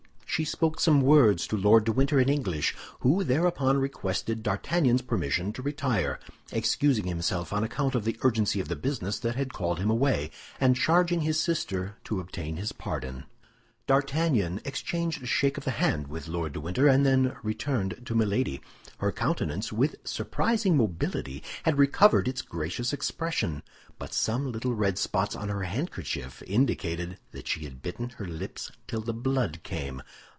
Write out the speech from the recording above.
She spoke some words to Lord de Winter in English, who thereupon requested D'Artagnan's permission to retire, excusing himself on account of the urgency of the business that had called him away, and charging his sister to obtain his pardon. D'Artagnan exchanged a shake of the hand with Lord de Winter, and then returned to Milady. Her countenance, with surprising mobility, had recovered its gracious expression; but some little red spots on her handkerchief indicated that she had bitten her lips till the blood came.